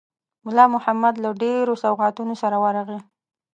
مُلا محمد له ډېرو سوغاتونو سره ورغی.